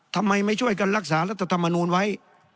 ทำไมไม่ช่วยกันรักษารัฐธรรมนูลไว้